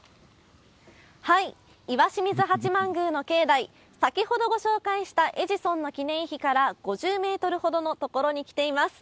石清水八幡宮の境内、先ほどご紹介したエジソンの記念碑から５０メートルほどの所に来ています。